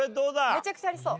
めちゃくちゃありそう。